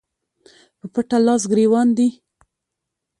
په پټه لاس ګرېوان دي